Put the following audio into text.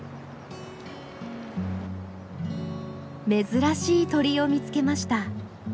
珍しい鳥を見つけました。